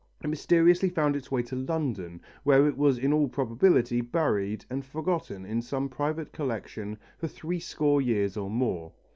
It mysteriously found its way to London, where it was in all probability buried and forgotten in some private collection for three score years or more.